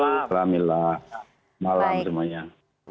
alhamdulillah malam semuanya